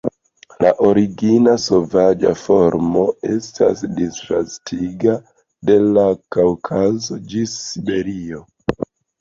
La origina sovaĝa formo estas disvastigita de la Kaŭkazo ĝis Siberio.